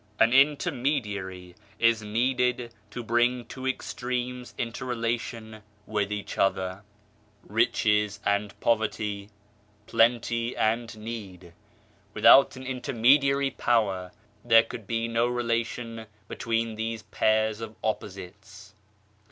An intermediary is needed to bring two extremes into relation with each other. Riches and poverty, plenty 52. INTERMEDIARY POWER and need : without an intermediary power there could be no relation between these pairs of opposites.